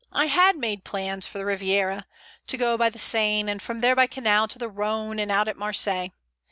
I had made plans for the Riviera—to go by the Seine, and from there by canal to the Rhone and out at Marseilles.